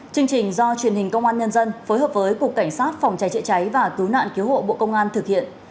chương trình do truyền hình công an nhân dân phối hợp với cục cảnh sát phòng cháy chữa cháy và cứu nạn cứu hộ bộ công an thực hiện